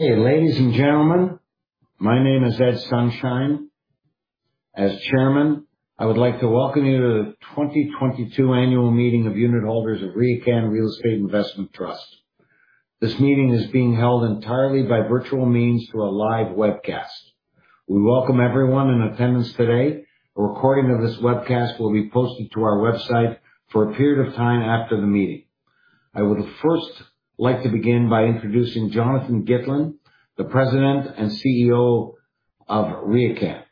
Hey, ladies and gentlemen, my name is Ed Sonshine. As Chairman, I would like to welcome you to the 2022 annual meeting of unitholders of RioCan Real Estate Investment Trust. This meeting is being held entirely by virtual means through a live webcast. We welcome everyone in attendance today. A recording of this webcast will be posted to our website for a period of time after the meeting. I would first like to begin by introducing Jonathan Gitlin, the President and CEO of RioCan.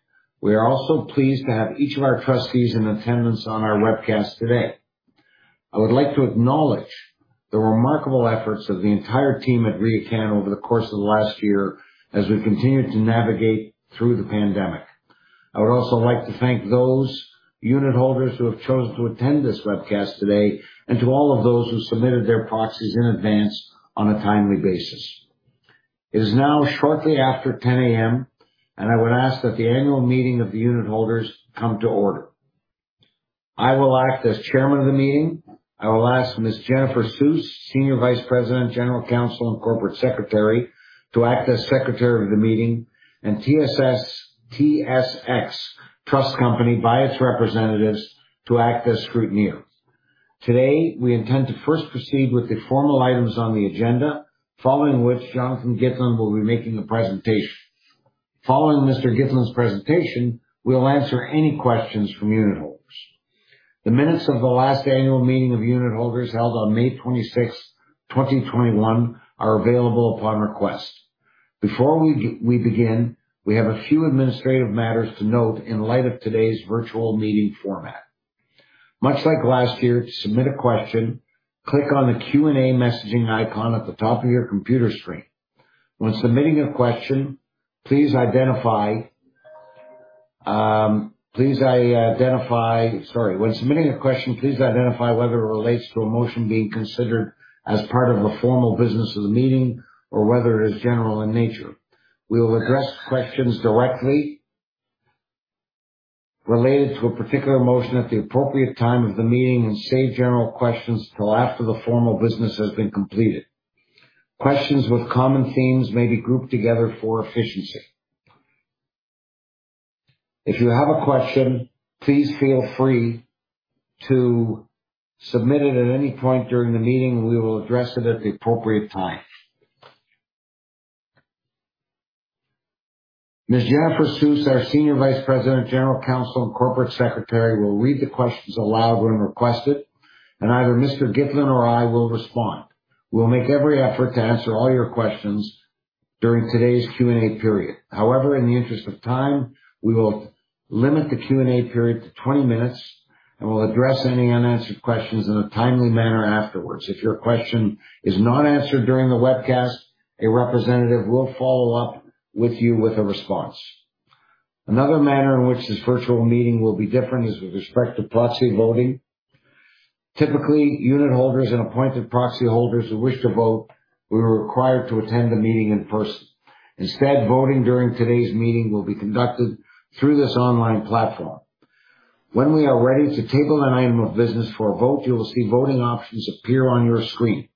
We are also pleased to have each of our trustees in attendance on our webcast today. I would like to acknowledge the remarkable efforts of the entire team at RioCan over the course of the last year as we continue to navigate through the pandemic. I would also like to thank those unitholders who have chosen to attend this webcast today and to all of those who submitted their proxies in advance on a timely basis. It is now shortly after 10 A.M., and I would ask that the annual meeting of the unitholders come to order. I will act as chairman of the meeting. I will ask Ms. Jennifer Suess, Senior Vice President, General Counsel, and Corporate Secretary, to act as secretary of the meeting, and TSX Trust Company by its representatives to act as scrutineer. Today, we intend to first proceed with the formal items on the agenda, following which Jonathan Gitlin will be making the presentation. Following Mr. Gitlin's presentation, we'll answer any questions from unitholders. The minutes of the last annual meeting of unitholders held on May 26, 2021 are available upon request. Before we begin, we have a few administrative matters to note in light of today's virtual meeting format. Much like last year, to submit a question, click on the Q&A messaging icon at the top of your computer screen. When submitting a question, please identify whether it relates to a motion being considered as part of the formal business of the meeting or whether it is general in nature. We will address questions directly related to a particular motion at the appropriate time of the meeting and save general questions till after the formal business has been completed. Questions with common themes may be grouped together for efficiency. If you have a question, please feel free to submit it at any point during the meeting, and we will address it at the appropriate time. Ms. Jennifer Suess, our Senior Vice President, General Counsel, and Corporate Secretary, will read the questions aloud when requested, and either Mr. Gitlin or I will respond. We'll make every effort to answer all your questions during today's Q&A period. However, in the interest of time, we will limit the Q&A period to 20 minutes, and we'll address any unanswered questions in a timely manner afterwards. If your question is not answered during the webcast, a representative will follow up with you with a response. Another manner in which this virtual meeting will be different is with respect to proxy voting. Typically, unitholders and appointed proxy holders who wish to vote were required to attend the meeting in person. Instead, voting during today's meeting will be conducted through this online platform. When we are ready to table an item of business for a vote, you will see voting options appear on your screen.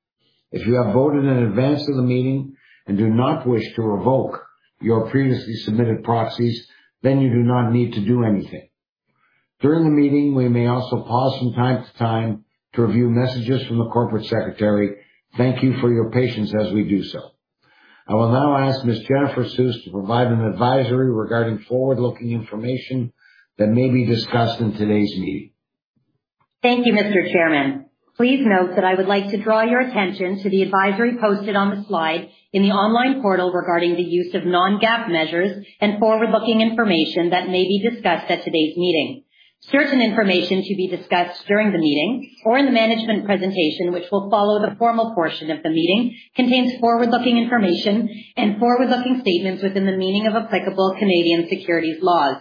If you have voted in advance of the meeting and do not wish to revoke your previously submitted proxies, then you do not need to do anything. During the meeting, we may also pause from time to time to review messages from the corporate secretary. Thank you for your patience as we do so. I will now ask Ms. Jennifer Suess to provide an advisory regarding forward-looking information that may be discussed in today's meeting. Thank you, Mr. Chairman. Please note that I would like to draw your attention to the advisory posted on the slide in the online portal regarding the use of non-GAAP measures and forward-looking information that may be discussed at today's meeting. Certain information to be discussed during the meeting or in the management presentation, which will follow the formal portion of the meeting, contains forward-looking information and forward-looking statements within the meaning of applicable Canadian securities laws.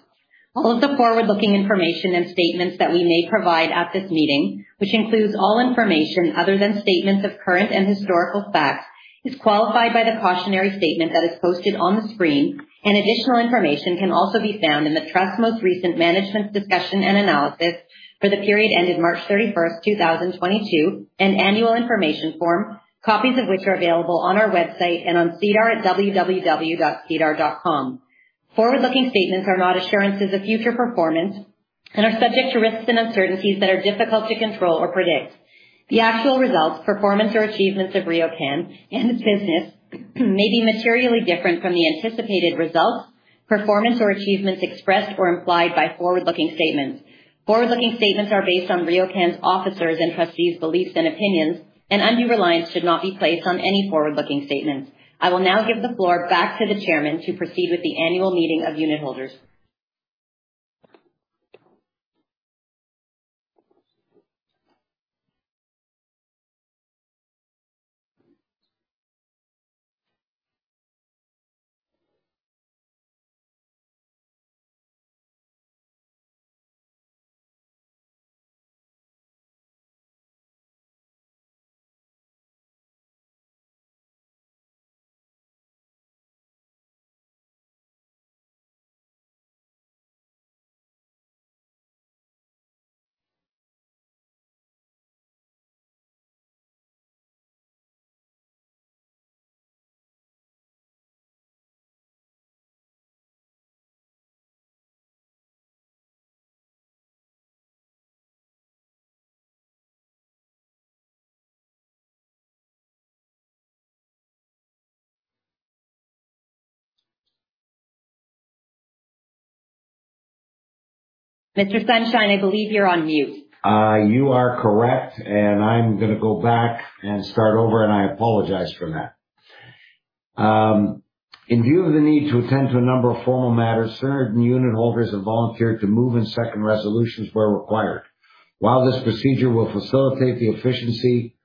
All of the forward-looking information and statements that we may provide at this meeting, which includes all information other than statements of current and historical facts, is qualified by the cautionary statement that is posted on the screen, and additional information can also be found in the Trust's most recent management's discussion and analysis for the period ended March 31, 2022, and Annual Information Form, copies of which are available on our website and on SEDAR at www.sedar.com. Forward-looking statements are not assurances of future performance and are subject to risks and uncertainties that are difficult to control or predict. The actual results, performance, or achievements of RioCan and its business may be materially different from the anticipated results, performance, or achievements expressed or implied by forward-looking statements. Forward-looking statements are based on RioCan's officers' and trustees' beliefs and opinions, and undue reliance should not be placed on any forward-looking statements. I will now give the floor back to the chairman to proceed with the annual meeting of unitholders. Mr. Sonshine, I believe you're on mute. You are correct, and I'm gonna go back and start over, and I apologize for that. In view of the need to attend to a number of formal matters, certain unitholders have volunteered to move and second resolutions where required. While this procedure will facilitate the efficiency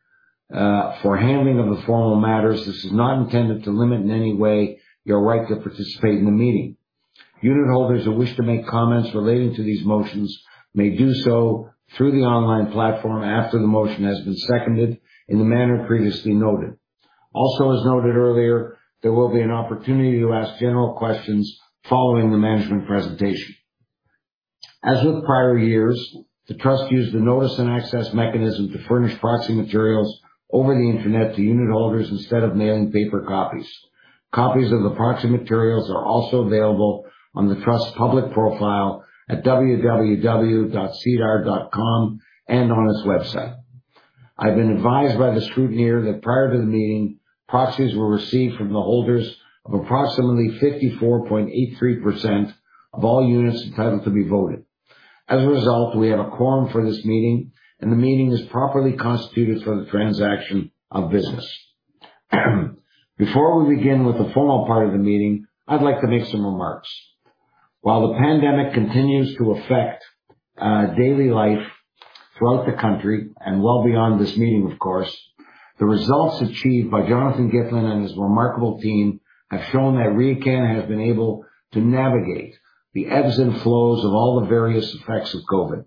for handling of the formal matters, this is not intended to limit in any way your right to participate in the meeting. Unitholders who wish to make comments relating to these motions may do so through the online platform after the motion has been seconded in the manner previously noted. Also, as noted earlier, there will be an opportunity to ask general questions following the management presentation. As with prior years, the trust used the notice and access mechanism to furnish proxy materials over the internet to unitholders instead of mailing paper copies. Copies of the proxy materials are also available on the trust public profile at www.sedar.com and on its website. I've been advised by the scrutineer that prior to the meeting, proxies were received from the holders of approximately 54.83% of all units entitled to be voted. As a result, we have a quorum for this meeting, and the meeting is properly constituted for the transaction of business. Before we begin with the formal part of the meeting, I'd like to make some remarks. While the pandemic continues to affect daily life throughout the country and well beyond this meeting, of course, the results achieved by Jonathan Gitlin and his remarkable team have shown that RioCan has been able to navigate the ebbs and flows of all the various effects of COVID.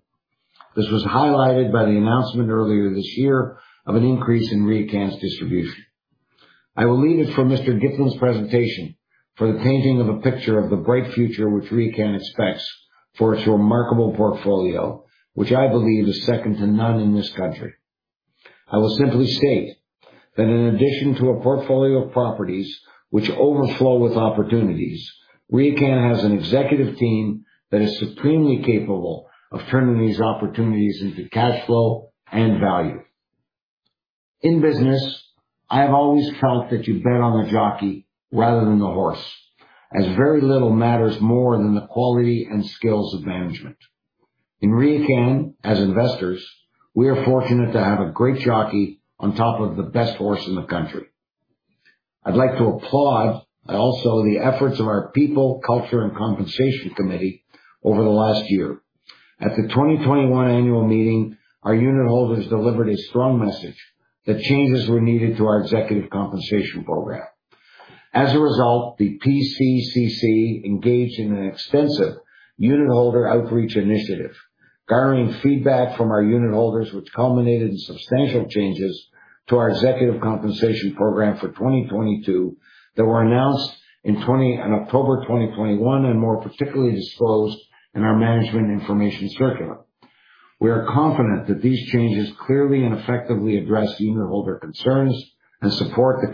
This was highlighted by the announcement earlier this year of an increase in RioCan's distribution. I will leave it to Mr. Gitlin's presentation to paint a picture of the bright future which RioCan expects for its remarkable portfolio, which I believe is second to none in this country. I will simply state that in addition to a portfolio of properties which overflow with opportunities, RioCan has an executive team that is supremely capable of turning these opportunities into cash flow and value. In business, I have always felt that you bet on the jockey rather than the horse, as very little matters more than the quality and skills of management. In RioCan, as investors, we are fortunate to have a great jockey on top of the best horse in the country. I'd like to applaud also the efforts of our People, Culture and Compensation Committee over the last year. At the 2021 annual meeting, our unitholders delivered a strong message that changes were needed to our executive compensation program. As a result, the PCCC engaged in an extensive unitholder outreach initiative, garnering feedback from our unitholders, which culminated in substantial changes to our executive compensation program for 2022 that were announced in October 2021 and more particularly disclosed in our management information circular. We are confident that these changes clearly and effectively address unitholder concerns and support the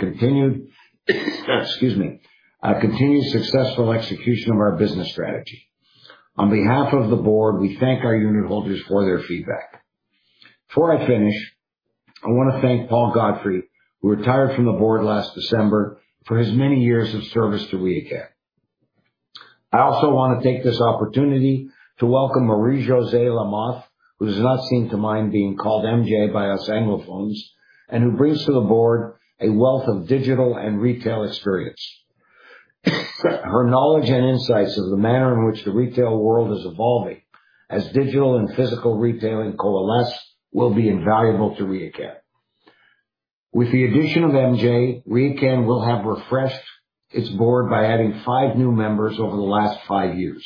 continued successful execution of our business strategy. On behalf of the board, we thank our unitholders for their feedback. Before I finish, I wanna thank Paul Godfrey, who retired from the board last December, for his many years of service to RioCan. I also wanna take this opportunity to welcome Marie-Josée Lamothe, who does not seem to mind being called MJ by us Anglophones, and who brings to the board a wealth of digital and retail experience. Her knowledge and insights of the manner in which the retail world is evolving as digital and physical retailing coalesce will be invaluable to RioCan. With the addition of MJ, RioCan will have refreshed its board by adding five new members over the last five years.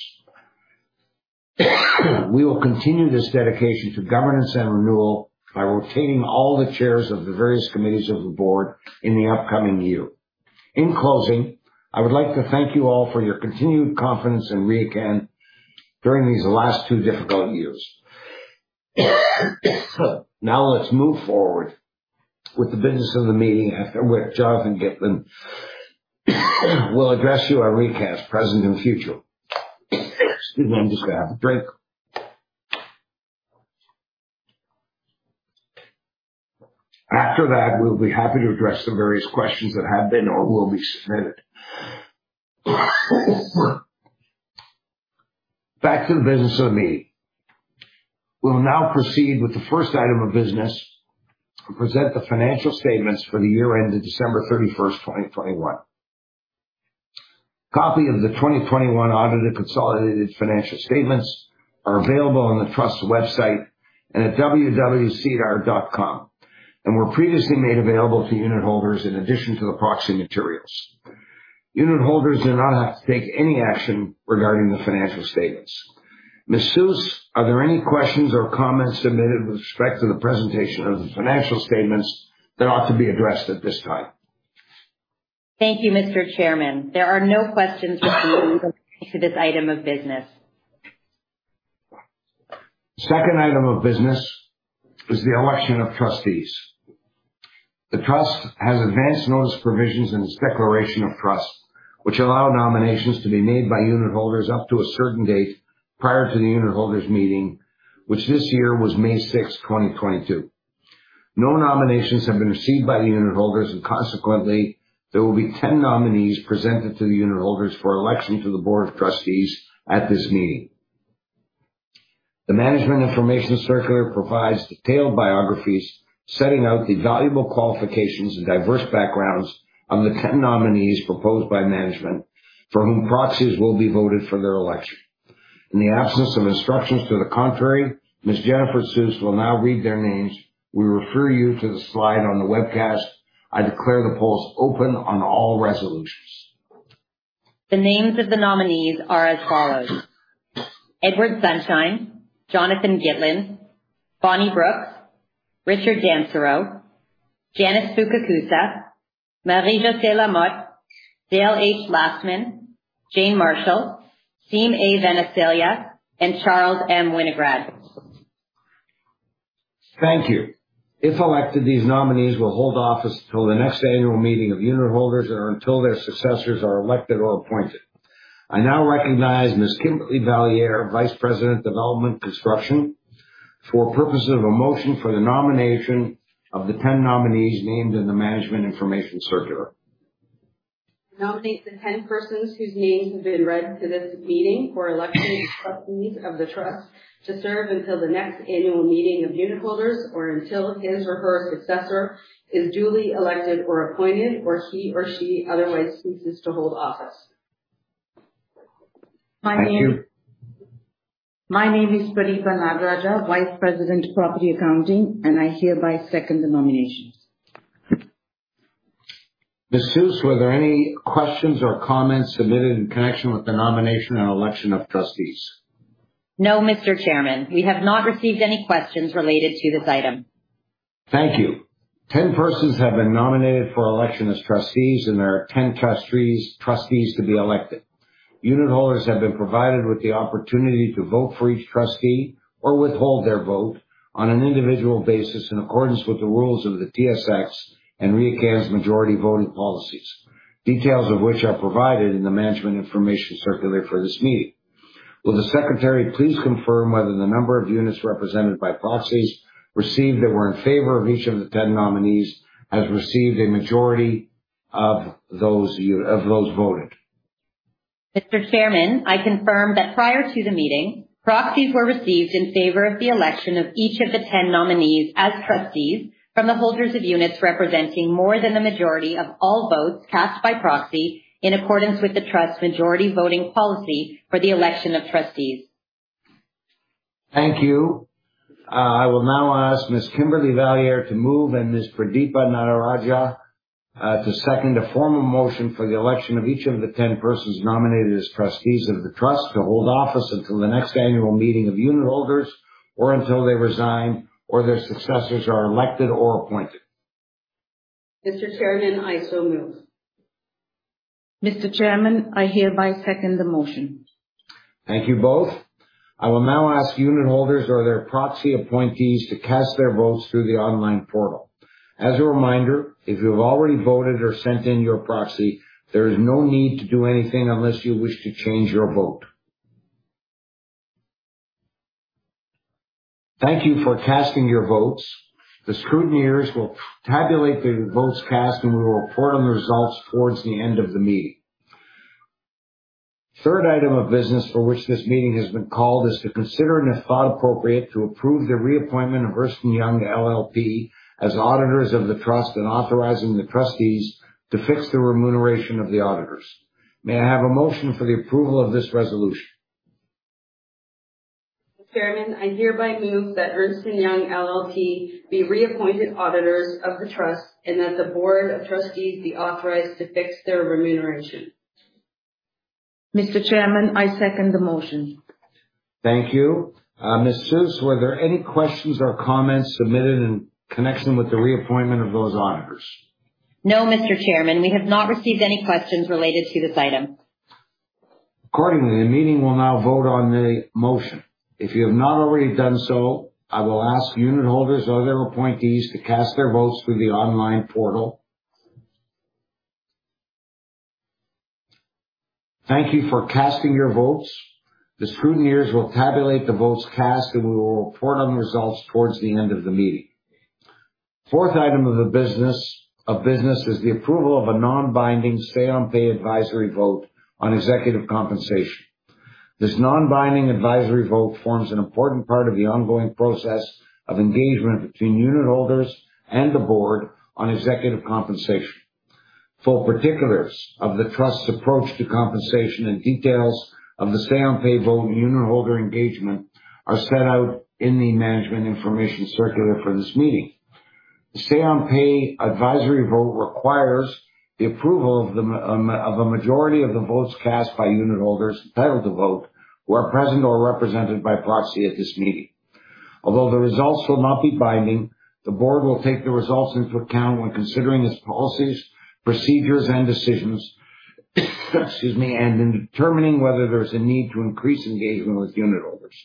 We will continue this dedication to governance and renewal by rotating all the chairs of the various committees of the board in the upcoming year. In closing, I would like to thank you all for your continued confidence in RioCan during these last two difficult years. Now, let's move forward with the business of the meeting after which Jonathan Gitlin will address you on RioCan's present and future. Excuse me, I'm just gonna have a drink. After that, we'll be happy to address the various questions that have been or will be submitted. Back to the business of the meeting. We will now proceed with the first item of business, to present the financial statements for the year ended December 31st, 2021. Copy of the 2021 audited consolidated financial statements are available on the trust website and at www.sedar.com, and were previously made available to unitholders in addition to the proxy materials. Unitholders do not have to take any action regarding the financial statements. Ms. Suess, are there any questions or comments submitted with respect to the presentation of the financial statements that ought to be addressed at this time? Thank you, Mr. Chairman. There are no questions or comments to this item of business. Second item of business is the election of trustees. The Trust has advanced notice provisions in its declaration of trust, which allow nominations to be made by unitholders up to a certain date prior to the unitholders meeting, which this year was May 6th, 2022. No nominations have been received by the unitholders, and consequently, there will be 10 nominees presented to the unitholders for election to the board of trustees at this meeting. The management information circular provides detailed biographies setting out the valuable qualifications and diverse backgrounds of the 10 nominees proposed by management for whom proxies will be voted for their election. In the absence of instructions to the contrary, Ms. Jennifer Suess will now read their names. We refer you to the slide on the webcast. I declare the polls open on all resolutions. The names of the nominees are as follows. Edward Sonshine, Jonathan Gitlin, Bonnie Brooks, Richard Dansereau, Janice Fukakusa, Marie-Josée Lamothe, Dale H. Lastman, Jane Marshall, Siim A. Vanaselja, and Charles M. Winograd. Thank you. If elected, these nominees will hold office until the next annual meeting of unitholders or until their successors are elected or appointed. I now recognize Ms. Kimberly Valliere, Vice President, Development Construction, for purposes of a motion for the nomination of the ten nominees named in the management information circular. I nominate the ten persons whose names have been read to this meeting for election as trustees of the Trust to serve until the next annual meeting of unitholders or until his or her successor is duly elected or appointed, or he or she otherwise ceases to hold office. Thank you. My name is Pradeepa Nadarajah, Vice President, Property Accounting, and I hereby second the nominations. Ms. Suess, were there any questions or comments submitted in connection with the nomination and election of trustees? No, Mr. Chairman. We have not received any questions related to this item. Thank you. 10 persons have been nominated for election as trustees, and there are 10 trustees to be elected. Unitholders have been provided with the opportunity to vote for each trustee or withhold their vote on an individual basis in accordance with the rules of the TSX and RioCan's majority voting policies, details of which are provided in the management information circular for this meeting. Will the secretary please confirm whether the number of units represented by proxies received that were in favor of each of the 10 nominees has received a majority of those voting? Mr. Chairman, I confirm that prior to the meeting, proxies were received in favor of the election of each of the 10 nominees as trustees from the holders of units representing more than the majority of all votes cast by proxy in accordance with the Trust majority voting policy for the election of trustees. Thank you. I will now ask Ms. Kimberly Valliere to move and Ms. Pradeepa Nadarajah to second a formal motion for the election of each of the 10 persons nominated as trustees of the Trust to hold office until the next annual meeting of unitholders or until they resign or their successors are elected or appointed. Mr. Chairman, I so move. Mr. Chairman, I hereby second the motion. Thank you both. I will now ask unitholders or their proxy appointees to cast their votes through the online portal. As a reminder, if you have already voted or sent in your proxy, there is no need to do anything unless you wish to change your vote. Thank you for casting your votes. The scrutineers will tabulate the votes cast, and we will report on the results towards the end of the meeting. Third item of business for which this meeting has been called is to consider, and if thought appropriate, to approve the reappointment of Ernst & Young LLP as auditors of the Trust and authorizing the trustees to fix the remuneration of the auditors. May I have a motion for the approval of this resolution? Chairman, I hereby move that Ernst & Young LLP be reappointed auditors of the Trust and that the board of trustees be authorized to fix their remuneration. Mr. Chairman, I second the motion. Thank you. Ms. Suess, were there any questions or comments submitted in connection with the reappointment of those auditors? No, Mr. Chairman, we have not received any questions related to this item. Accordingly, the meeting will now vote on the motion. If you have not already done so, I will ask unitholders or their appointees to cast their votes through the online portal. Thank you for casting your votes. The scrutineers will tabulate the votes cast, and we will report on the results towards the end of the meeting. Fourth item of business is the approval of a non-binding say-on-pay advisory vote on executive compensation. This non-binding advisory vote forms an important part of the ongoing process of engagement between unitholders and the board on executive compensation. Full particulars of the Trust's approach to compensation and details of the say-on-pay vote and unitholder engagement are set out in the management information circular for this meeting. The say-on-pay advisory vote requires the approval of a majority of the votes cast by unitholders entitled to vote who are present or represented by proxy at this meeting. Although the results will not be binding, the board will take the results into account when considering its policies, procedures, and decisions, excuse me, and in determining whether there's a need to increase engagement with unitholders.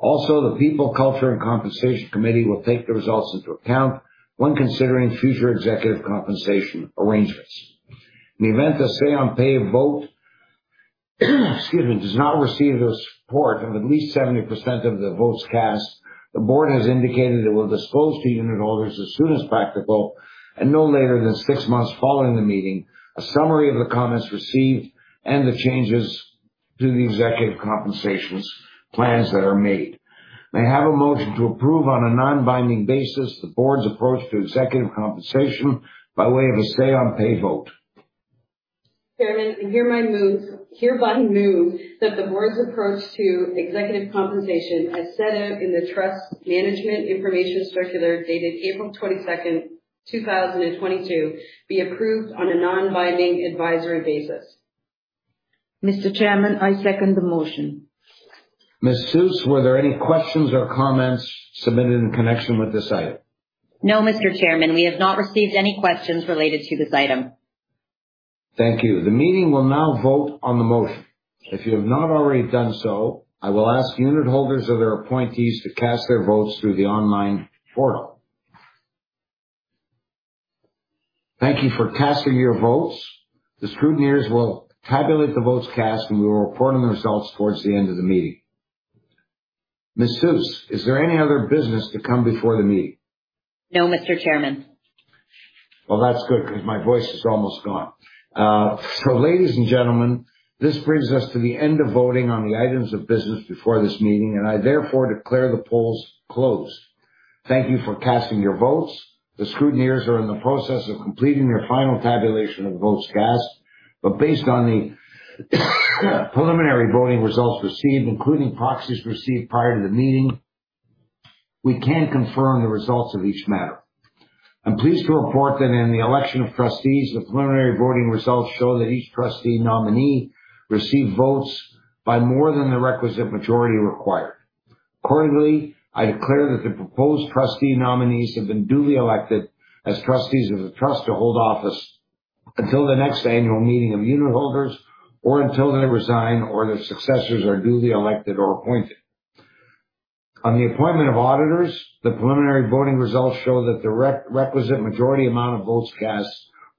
Also, the People, Culture and Compensation Committee will take the results into account when considering future executive compensation arrangements. In the event the say-on-pay vote, excuse me, does not receive the support of at least 70% of the votes cast, the board has indicated it will disclose to unitholders as soon as practical, and no later than six months following the meeting, a summary of the comments received and the changes to the executive compensation plans that are made. May I have a motion to approve on a non-binding basis the board's approach to executive compensation by way of a say-on-pay vote? Chairman, hereby move that the board's approach to executive compensation, as set out in the Trust's management information circular dated April 22nd, 2022, be approved on a non-binding advisory basis. Mr. Chairman, I second the motion. Ms. Suess, were there any questions or comments submitted in connection with this item? No, Mr. Chairman. We have not received any questions related to this item. Thank you. The meeting will now vote on the motion. If you have not already done so, I will ask unitholders or their appointees to cast their votes through the online portal. Thank you for casting your votes. The scrutineers will tabulate the votes cast, and we will report on the results towards the end of the meeting. Ms. Suess, is there any other business to come before the meeting? No, Mr. Chairman. Well, that's good because my voice is almost gone. Ladies and gentlemen, this brings us to the end of voting on the items of business before this meeting, and I therefore declare the polls closed. Thank you for casting your votes. The scrutineers are in the process of completing their final tabulation of votes cast. Based on the preliminary voting results received, including proxies received prior to the meeting, we can confirm the results of each matter. I'm pleased to report that in the election of trustees, the preliminary voting results show that each trustee nominee received votes by more than the requisite majority required. Accordingly, I declare that the proposed trustee nominees have been duly elected as trustees of the trust to hold office until the next annual meeting of unitholders, or until they resign or their successors are duly elected or appointed. On the appointment of auditors, the preliminary voting results show that the requisite majority amount of votes cast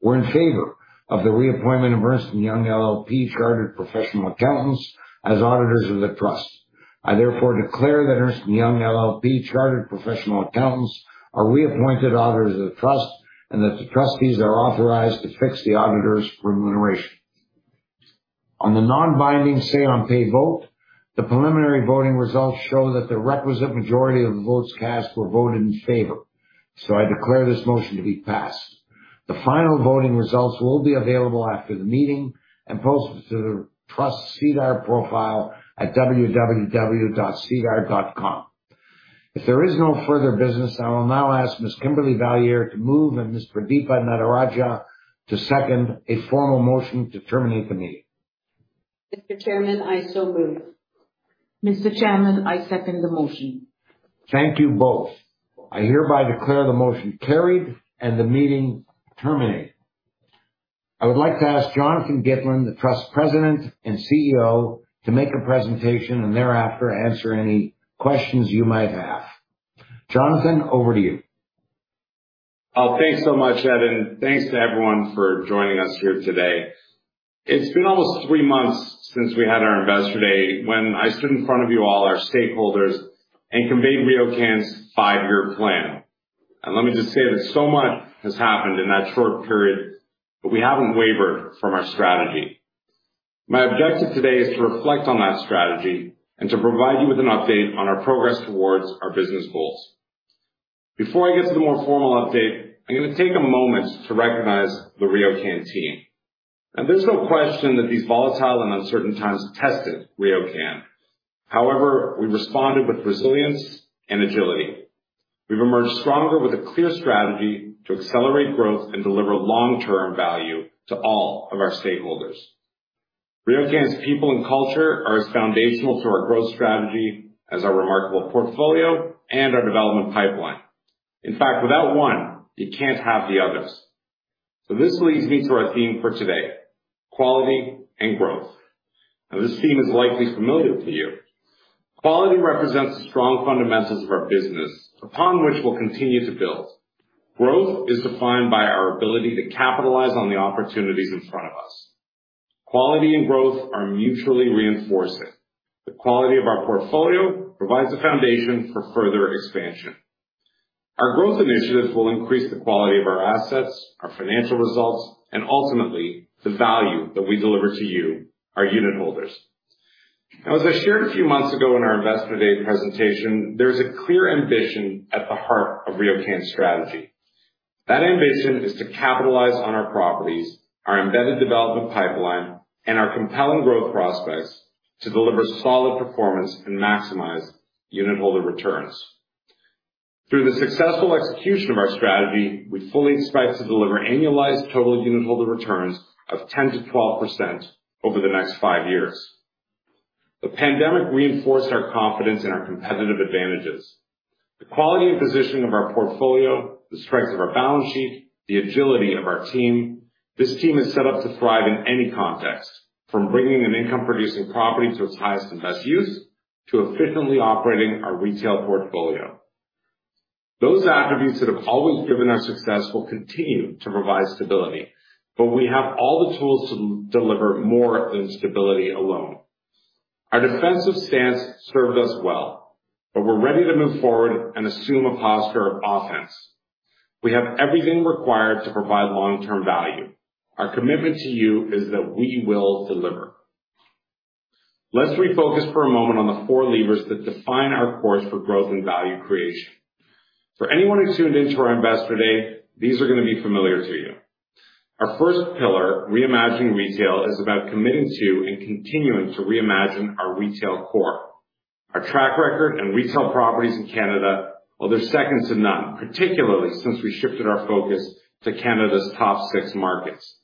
were in favor of the reappointment of Ernst & Young LLP Chartered Professional Accountants as auditors of the trust. I therefore declare that Ernst & Young LLP Chartered Professional Accountants are reappointed auditors of the trust and that the trustees are authorized to fix the auditors' remuneration. On the non-binding say-on-pay vote, the preliminary voting results show that the requisite majority of the votes cast were voted in favor. I declare this motion to be passed. The final voting results will be available after the meeting and posted to the trust's SEDAR profile at www.sedar.com. If there is no further business, I will now ask Ms. Kimberly Valliere to move and Ms. Pradeepa Nadarajah to second a formal motion to terminate the meeting. Mr. Chairman, I so move. Mr. Chairman, I second the motion. Thank you both. I hereby declare the motion carried and the meeting terminated. I would like to ask Jonathan Gitlin, the Trust President and CEO, to make a presentation and thereafter answer any questions you might have. Jonathan, over to you. Oh, thanks so much, Ed and thanks to everyone for joining us here today. It's been almost three months since we had our investor day when I stood in front of you all, our stakeholders, and conveyed RioCan's five-year plan. Let me just say that so much has happened in that short period, but we haven't wavered from our strategy. My objective today is to reflect on that strategy and to provide you with an update on our progress towards our business goals. Before I get to the more formal update, I'm gonna take a moment to recognize the RioCan team. There's no question that these volatile and uncertain times tested RioCan. However, we responded with resilience and agility. We've emerged stronger with a clear strategy to accelerate growth and deliver long-term value to all of our stakeholders. RioCan's people and culture are as foundational to our growth strategy as our remarkable portfolio and our development pipeline. In fact, without one, you can't have the others. This leads me to our theme for today, quality and growth. Now, this theme is likely familiar to you. Quality represents the strong fundamentals of our business, upon which we'll continue to build. Growth is defined by our ability to capitalize on the opportunities in front of us. Quality and growth are mutually reinforcing. The quality of our portfolio provides the foundation for further expansion. Our growth initiatives will increase the quality of our assets, our financial results, and ultimately the value that we deliver to you, our unitholders. Now, as I shared a few months ago in our Investor Day presentation, there is a clear ambition at the heart of RioCan's strategy. That ambition is to capitalize on our properties, our embedded development pipeline, and our compelling growth prospects to deliver solid performance and maximize unitholder returns. Through the successful execution of our strategy, we fully expect to deliver annualized total unitholder returns of 10%-12% over the next five years. The pandemic reinforced our confidence in our competitive advantages. The quality and position of our portfolio, the strength of our balance sheet, the agility of our team. This team is set up to thrive in any context, from bringing an income producing property to its highest and best use to efficiently operating our retail portfolio. Those attributes that have always driven our success will continue to provide stability, but we have all the tools to deliver more than stability alone. Our defensive stance served us well, but we're ready to move forward and assume a posture of offense. We have everything required to provide long-term value. Our commitment to you is that we will deliver. Let's refocus for a moment on the four levers that define our course for growth and value creation. For anyone who tuned into our Investor Day, these are going to be familiar to you. Our first pillar, reimagining retail, is about committing to and continuing to reimagine our retail core. Our track record and retail properties in Canada, well, they're second to none, particularly since we shifted our focus to Canada's top six markets.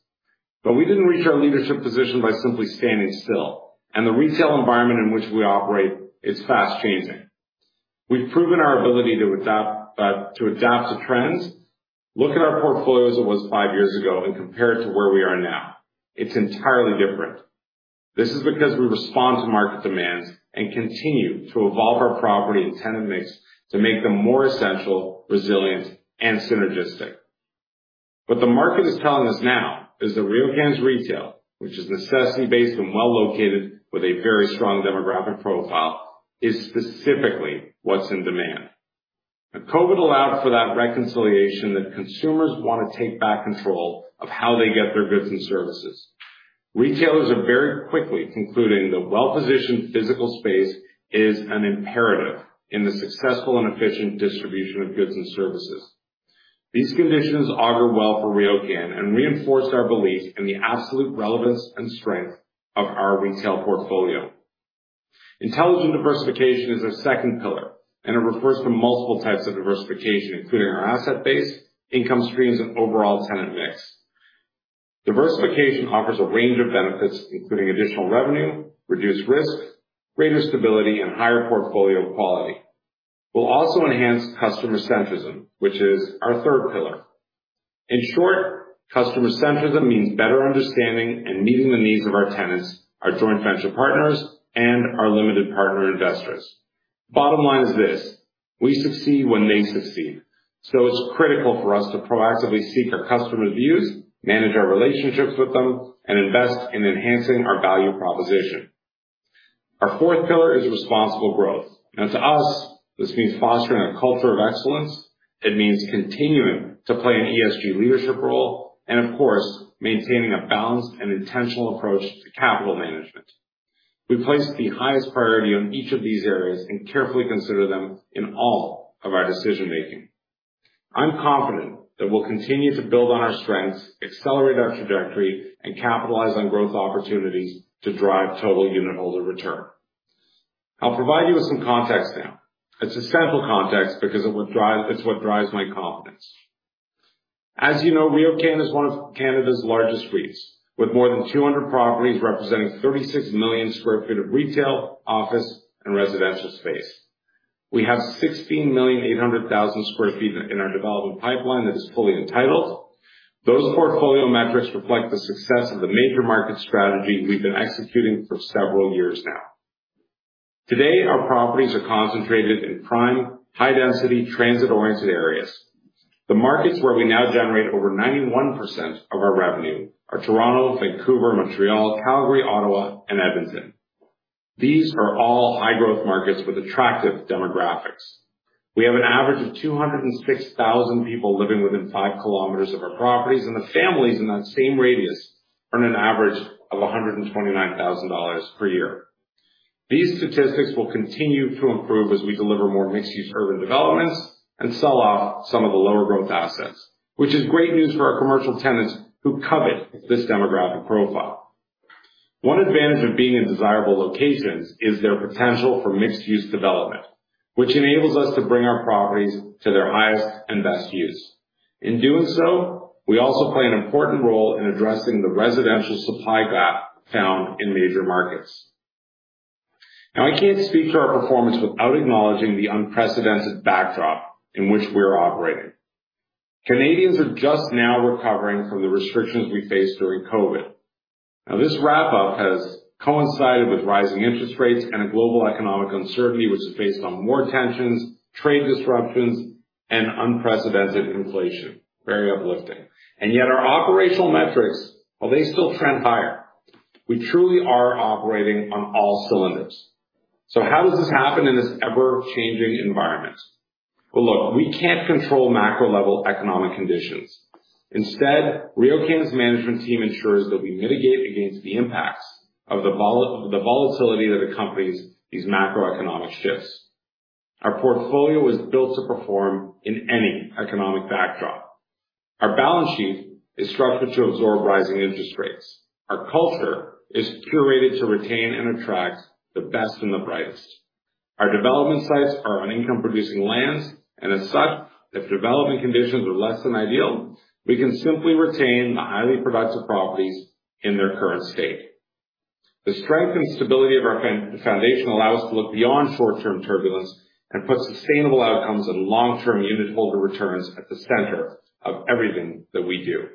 We didn't reach our leadership position by simply standing still. The retail environment in which we operate is fast changing. We've proven our ability to adapt to trends. Look at our portfolio as it was five years ago and compare it to where we are now. It's entirely different. This is because we respond to market demands and continue to evolve our property and tenant mix to make them more essential, resilient, and synergistic. What the market is telling us now is that RioCan's retail, which is necessity-based and well-located with a very strong demographic profile, is specifically what's in demand. COVID allowed for that reconciliation that consumers want to take back control of how they get their goods and services. Retailers are very quickly concluding the well-positioned physical space is an imperative in the successful and efficient distribution of goods and services. These conditions augur well for RioCan and reinforce our belief in the absolute relevance and strength of our retail portfolio. Intelligent diversification is our second pillar, and it refers to multiple types of diversification, including our asset base, income streams, and overall tenant mix. Diversification offers a range of benefits, including additional revenue, reduced risk, greater stability, and higher portfolio quality. Will also enhance customer centrism, which is our third pillar. In short, customer centrism means better understanding and meeting the needs of our tenants, our joint venture partners, and our limited partner investors. Bottom line is this. We succeed when they succeed, so it's critical for us to proactively seek our customer views, manage our relationships with them, and invest in enhancing our value proposition. Our fourth pillar is responsible growth. Now, to us, this means fostering a culture of excellence. It means continuing to play an ESG leadership role and, of course, maintaining a balanced and intentional approach to capital management. We place the highest priority on each of these areas and carefully consider them in all of our decision making. I'm confident that we'll continue to build on our strengths, accelerate our trajectory, and capitalize on growth opportunities to drive total unitholder return. I'll provide you with some context now. It's essential context because it's what drives my confidence. As you know, RioCan is one of Canada's largest REITs, with more than 200 properties representing 36 million sq ft of retail, office, and residential space. We have 16.8 million sq ft in our development pipeline that is fully entitled. Those portfolio metrics reflect the success of the major market strategy we've been executing for several years now. Today, our properties are concentrated in prime, high density, transit-oriented areas. The markets where we now generate over 91% of our revenue are Toronto, Vancouver, Montreal, Calgary, Ottawa, and Edmonton. These are all high-growth markets with attractive demographics. We have an average of 206,000 people living within 5 km of our properties, and the families in that same radius earn an average of 129,000 dollars per year. These statistics will continue to improve as we deliver more mixed-use urban developments and sell off some of the lower growth assets, which is great news for our commercial tenants who covet this demographic profile. One advantage of being in desirable locations is their potential for mixed-use development, which enables us to bring our properties to their highest and best use. In doing so, we also play an important role in addressing the residential supply gap found in major markets. Now, I can't speak to our performance without acknowledging the unprecedented backdrop in which we're operating. Canadians are just now recovering from the restrictions we faced during COVID. Now, this wrap-up has coincided with rising interest rates and a global economic uncertainty which is based on more tensions, trade disruptions, and unprecedented inflation. Very uplifting. Yet our operational metrics, well, they still trend higher. We truly are operating on all cylinders. How does this happen in this ever-changing environment? Well, look, we can't control macro level economic conditions. Instead, RioCan's management team ensures that we mitigate against the impacts of the volatility that accompanies these macroeconomic shifts. Our portfolio is built to perform in any economic backdrop. Our balance sheet is structured to absorb rising interest rates. Our culture is curated to retain and attract the best and the brightest. Our development sites are on income producing lands, and as such, if development conditions are less than ideal, we can simply retain the highly productive properties in their current state. The strength and stability of our foundation allow us to look beyond short-term turbulence and put sustainable outcomes and long-term unitholder returns at the center of everything that we do.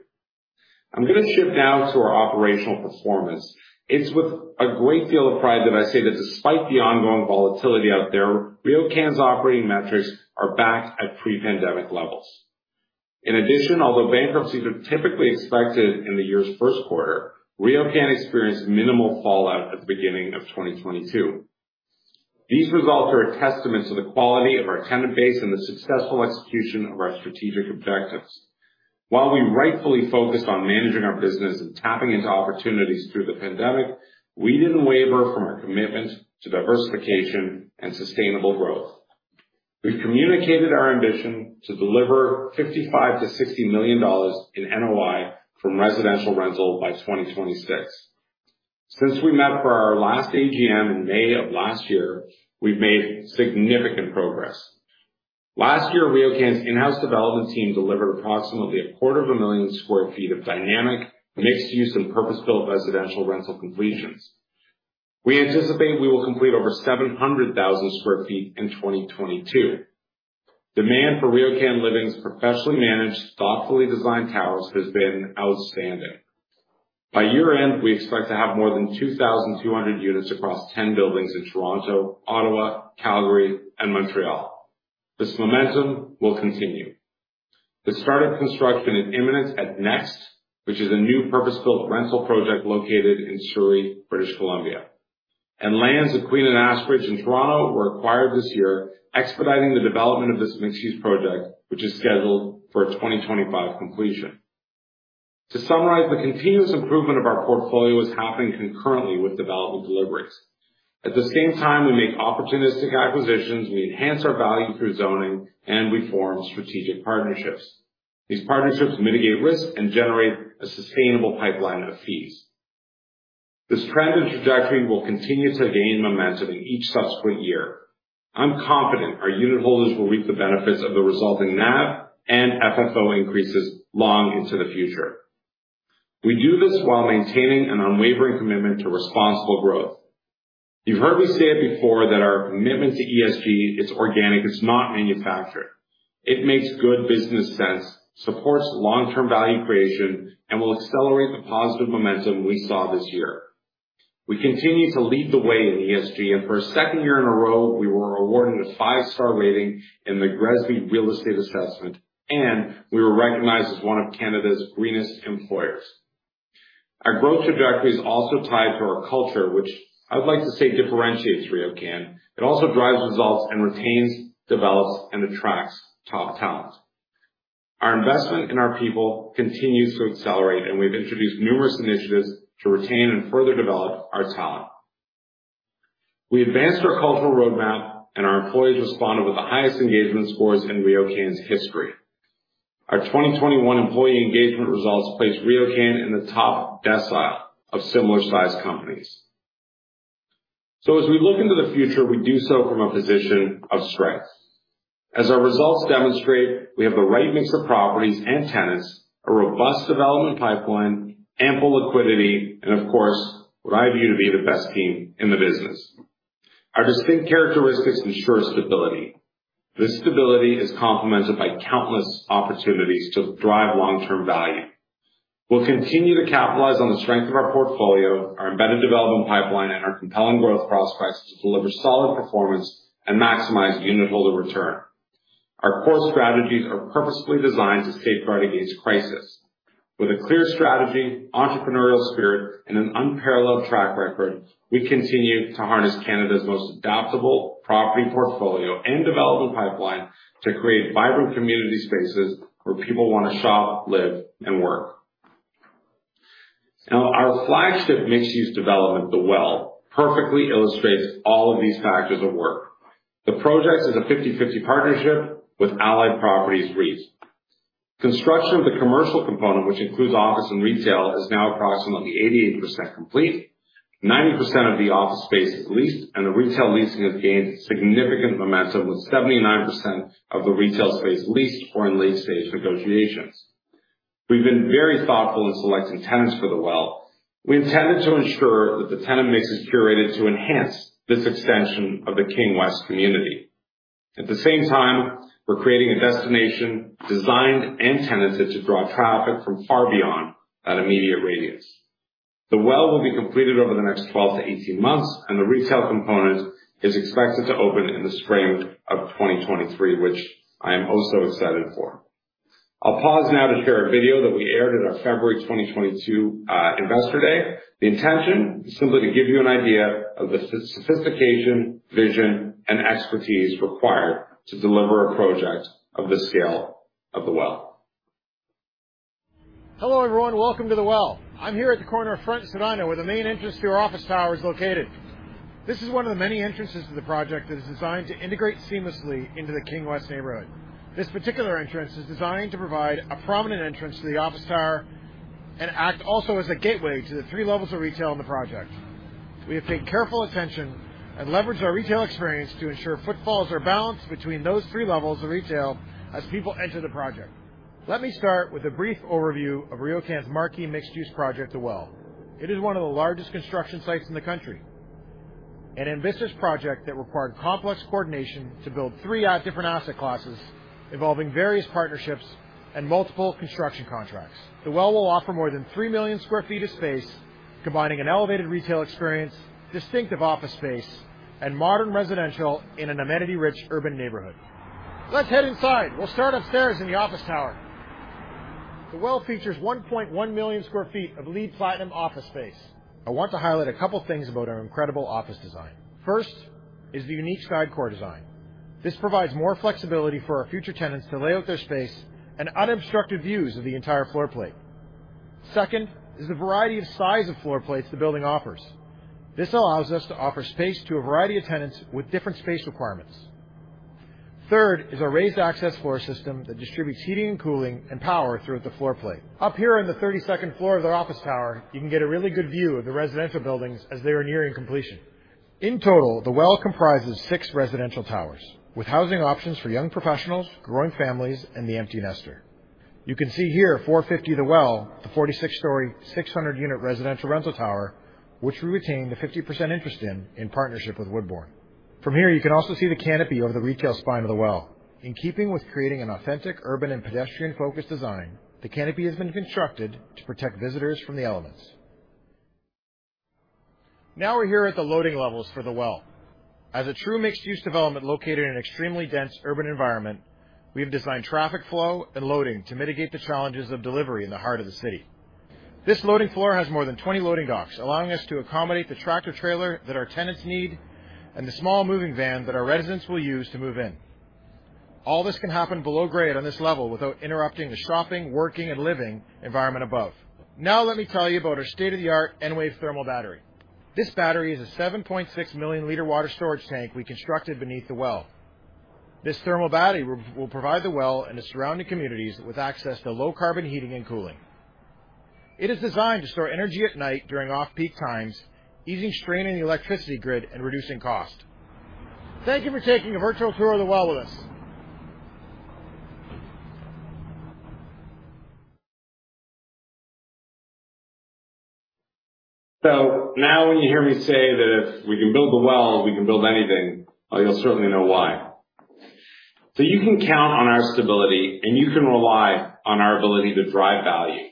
I'm gonna shift now to our operational performance. It's with a great deal of pride that I say that despite the ongoing volatility out there, RioCan's operating metrics are back at pre-pandemic levels. In addition, although bankruptcies are typically expected in the year's first quarter, RioCan experienced minimal fallout at the beginning of 2022. These results are a testament to the quality of our tenant base and the successful execution of our strategic objectives. While we rightfully focused on managing our business and tapping into opportunities through the pandemic, we didn't waver from our commitment to diversification and sustainable growth. We've communicated our ambition to deliver 55 million-60 million dollars in NOI from residential rental by 2026. Since we met for our last AGM in May of last year, we've made significant progress. Last year, RioCan's in-house development team delivered approximately 250,000 sq ft of dynamic, mixed-use, and purpose-built residential rental completions. We anticipate we will complete over 700,000 sq ft in 2022. Demand for RioCan Living's professionally managed, thoughtfully designed towers has been outstanding. By year-end, we expect to have more than 2,200 units across 10 buildings in Toronto, Ottawa, Calgary, and Montreal. This momentum will continue. The start of construction is imminent at Next, which is a new purpose-built rental project located in Surrey, British Columbia. Lands at Queen and Ashbridge in Toronto were acquired this year, expediting the development of this mixed-use project, which is scheduled for a 2025 completion. To summarize, the continuous improvement of our portfolio is happening concurrently with development deliveries. At the same time, we make opportunistic acquisitions, we enhance our value through zoning, and we form strategic partnerships. These partnerships mitigate risk and generate a sustainable pipeline of fees. This trend and trajectory will continue to gain momentum in each subsequent year. I'm confident our unitholders will reap the benefits of the resulting NAV and FFO increases long into the future. We do this while maintaining an unwavering commitment to responsible growth. You've heard me say it before that our commitment to ESG is organic, it's not manufactured. It makes good business sense, supports long-term value creation, and will accelerate the positive momentum we saw this year. We continue to lead the way in ESG, and for a second year in a row, we were awarded a five-star rating in the GRESB real estate assessment, and we were recognized as one of Canada's greenest employers. Our growth trajectory is also tied to our culture, which I would like to say differentiates RioCan. It also drives results and retains, develops, and attracts top talent. Our investment in our people continues to accelerate, and we've introduced numerous initiatives to retain and further develop our talent. We advanced our cultural roadmap, and our employees responded with the highest engagement scores in RioCan's history. Our 2021 employee engagement results placed RioCan in the top decile of similar sized companies. As we look into the future, we do so from a position of strength. As our results demonstrate, we have the right mix of properties and tenants, a robust development pipeline, ample liquidity, and of course, what I view to be the best team in the business. Our distinct characteristics ensure stability. This stability is complemented by countless opportunities to drive long-term value. We'll continue to capitalize on the strength of our portfolio, our embedded development pipeline, and our compelling growth prospects to deliver solid performance and maximize unitholder return. Our core strategies are purposefully designed to safeguard against crisis. With a clear strategy, entrepreneurial spirit, and an unparalleled track record, we continue to harness Canada's most adaptable property portfolio and development pipeline to create vibrant community spaces where people want to shop, live, and work. Now, our flagship mixed-use development, The Well, perfectly illustrates all of these factors at work. The project is a 50/50 partnership with Allied Properties REIT. Construction of the commercial component, which includes office and retail, is now approximately 88% complete. 90% of the office space is leased, and the retail leasing has gained significant momentum, with 79% of the retail space leased or in late-stage negotiations. We've been very thoughtful in selecting tenants for The Well. We intended to ensure that the tenant mix is curated to enhance this extension of the King West community. At the same time, we're creating a destination designed and tenanted to draw traffic from far beyond that immediate radius. The Well will be completed over the next 12-18 months, and the retail component is expected to open in the spring of 2023, which I am oh so excited for. I'll pause now to share a video that we aired at our February 2022 Investor Day. The intention is simply to give you an idea of the sophistication, vision, and expertise required to deliver a project of the scale of The Well. Hello, everyone. Welcome to The Well. I'm here at the corner of Front and Spadina, where the main entrance to our office tower is located. This is one of the many entrances to the project that is designed to integrate seamlessly into the King West neighborhood. This particular entrance is designed to provide a prominent entrance to the office tower and act also as a gateway to the three levels of retail in the project. We have paid careful attention and leveraged our retail experience to ensure footfalls are balanced between those three levels of retail as people enter the project. Let me start with a brief overview of RioCan's marquee mixed-use project, The Well. It is one of the largest construction sites in the country, and an ambitious project that required complex coordination to build three different asset classes involving various partnerships and multiple construction contracts. The Well will offer more than 3 million sq ft of space, combining an elevated retail experience, distinctive office space, and modern residential in an amenity-rich urban neighborhood. Let's head inside. We'll start upstairs in the office tower. The Well features 1.1 million sq ft of LEED Platinum office space. I want to highlight a couple things about our incredible office design. First is the unique sky core design. This provides more flexibility for our future tenants to lay out their space and unobstructed views of the entire floor plate. Second is the variety of size of floor plates the building offers. This allows us to offer space to a variety of tenants with different space requirements. Third is our raised access floor system that distributes heating and cooling and power throughout the floor plate. Up here on the 32nd floor of their office tower, you can get a really good view of the residential buildings as they are nearing completion. In total, The Well comprises six residential towers with housing options for young professionals, growing families, and the empty nester. You can see here, FourFifty The Well, the 46-story, 600-unit residential rental tower, which we retain the 50% interest in in partnership with Woodbourne. From here, you can also see the canopy over the retail spine of The Well. In keeping with creating an authentic urban and pedestrian-focused design, the canopy has been constructed to protect visitors from the elements. Now we're here at the loading levels for The Well. As a true mixed-use development located in an extremely dense urban environment, we've designed traffic flow and loading to mitigate the challenges of delivery in the heart of the city. This loading floor has more than 20 loading docks, allowing us to accommodate the tractor-trailer that our tenants need and the small moving van that our residents will use to move in. All this can happen below grade on this level without interrupting the shopping, working, and living environment above. Now let me tell you about our state-of-the-art Enwave thermal battery. This battery is a 7.6 million liter water storage tank we constructed beneath The Well. This thermal battery will provide The Well and the surrounding communities with access to low carbon heating and cooling. It is designed to store energy at night during off-peak times, easing strain in the electricity grid and reducing cost. Thank you for taking a virtual tour of The Well with us. Now when you hear me say that if we can build The Well, we can build anything, you'll certainly know why. You can count on our stability, and you can rely on our ability to drive value.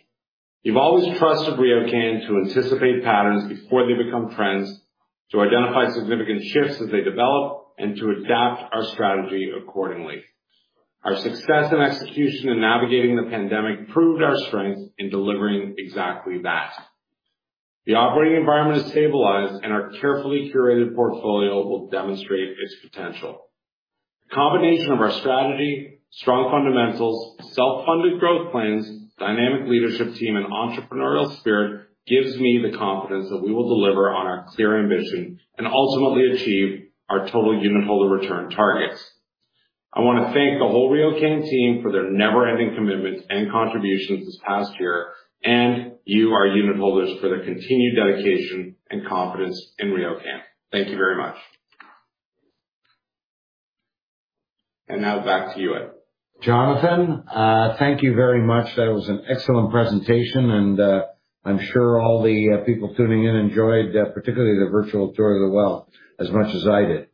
You've always trusted RioCan to anticipate patterns before they become trends, to identify significant shifts as they develop, and to adapt our strategy accordingly. Our success and execution in navigating the pandemic proved our strength in delivering exactly that. The operating environment is stabilized, and our carefully curated portfolio will demonstrate its potential. The combination of our strategy, strong fundamentals, self-funded growth plans, dynamic leadership team, and entrepreneurial spirit gives me the confidence that we will deliver on our clear ambition and ultimately achieve our total unitholder return targets. I wanna thank the whole RioCan team for their never-ending commitments and contributions this past year, and you, our unitholders, for their continued dedication and confidence in RioCan. Thank you very much. Now back to you, Ed. Jonathan, thank you very much. That was an excellent presentation, and, I'm sure all the, people tuning in enjoyed, particularly the virtual tour of The Well as much as I did.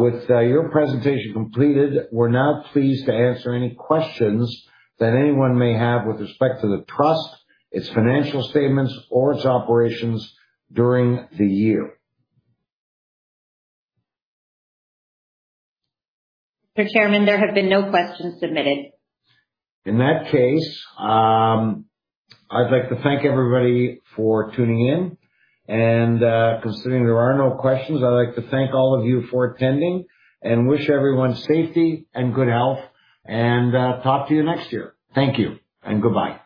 With your presentation completed, we're now pleased to answer any questions that anyone may have with respect to the trust, its financial statements, or its operations during the year. Mr. Chairman, there have been no questions submitted. In that case, I'd like to thank everybody for tuning in. Considering there are no questions, I'd like to thank all of you for attending and wish everyone safety and good health, and talk to you next year. Thank you and goodbye.